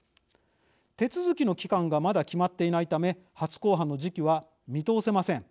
手続きの期間がまだ決まっていないため初公判の時期は見通せません。